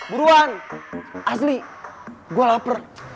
buruan asli gua lapar